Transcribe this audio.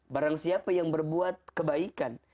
barang siapa yang berbuat kebaikan